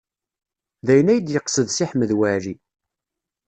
D ayen ay d-yeqsed Si Ḥmed Waɛli.